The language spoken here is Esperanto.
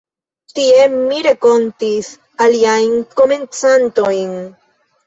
Tie, ni renkontis aliajn komencantojn.